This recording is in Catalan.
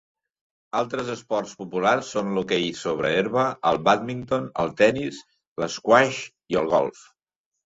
Altres esports populars són l'hoquei sobre herba, el bàdminton, el tenis, l'esquaix i el golf.